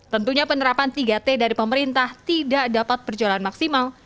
tentunya penerapan tiga t dari pemerintah tidak dapat berjalan maksimal